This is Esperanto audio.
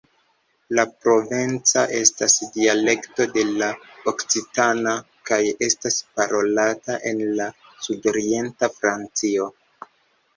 La provenca estas dialekto de la okcitana, kaj estas parolata en la sudorienta Francio.